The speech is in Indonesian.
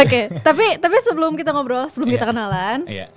oke tapi sebelum kita ngobrol sebelum kita kenalan